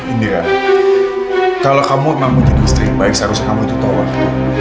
indira kalau kamu memang menjadi istri yang baik seharusnya kamu tuh tahu waktu